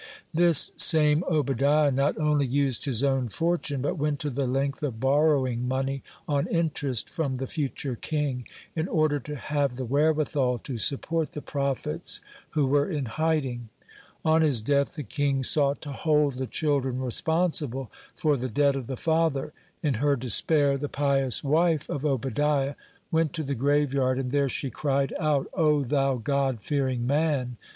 (6) This same Obadiah not only used his own fortune, but went to the length of borrowing money on interest from the future king, in order to have the wherewithal to support the prophets who were in hiding. On his death, the king sought to hold the children responsible for the debt of the father. In her despair the pious wife of Obadiah (7) went to the graveyard, and there she cried out: "O thou God fearing man!"